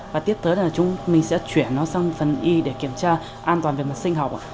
và tiếp tới là chúng mình sẽ chuyển nó sang phần y để kiểm tra an toàn về mặt sinh học